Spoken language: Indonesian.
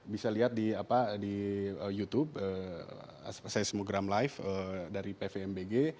bisa lihat di apa di youtube seismogram live dari pfmbg